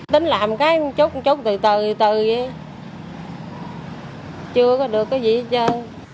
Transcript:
tính làm cái chút chút từ từ từ chưa có được cái gì hết trơn